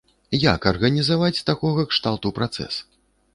Як арганізаваць такога кшталту працэс?